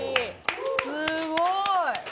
すごい！